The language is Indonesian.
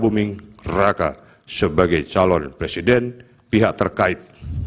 buming raka sebagai calon presiden pihak terkait